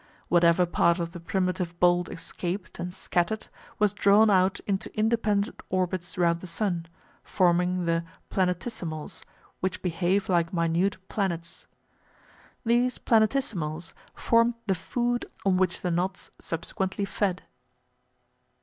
Whatever part of the primitive bolt escaped and scattered was drawn out into independent orbits round the sun, forming the "planetesimals" which behave like minute planets. These planetesimals formed the food on which the knots subsequently fed.